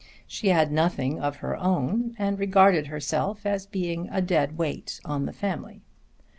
She had nothing of her own, and regarded herself as being a dead weight on the family.